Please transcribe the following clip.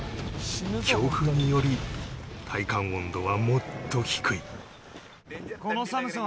強風により体感温度はもっと低い